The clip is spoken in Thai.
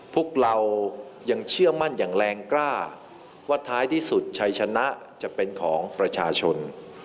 พวกเรายังเชื่อมั่นอย่างแรงกล้าว่าท้ายที่สุดชัยชนะจะเป็นของประชาชน